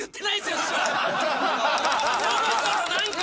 ・そろそろ何か！